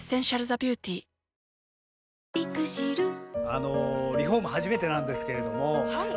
あのリフォーム初めてなんですけれどもはい。